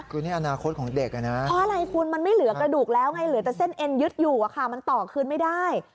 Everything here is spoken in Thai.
คือนี่อนาคตของเด็กนะเพราะอะไรคุณมันไม่เหลือกระดูกแล้วไงเหลือแต่เส้นเอ็นยึดอยู่มันต่อคืนไม่ได้